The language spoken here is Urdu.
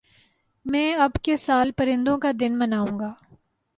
میں اب کے سال پرندوں کا دن مناؤں گا